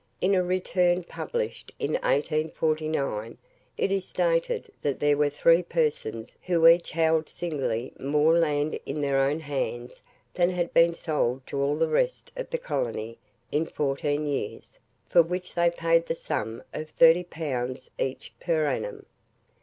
In a return published in 1849, it is stated that there were THREE persons who each held singly more land in their own hands than had been sold to all the rest of the colony in fourteen years, for which they paid the sum of 30 pounds each per annum.